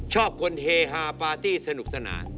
ชอบคนเฮฮาปาร์ตี้สนุกสนาน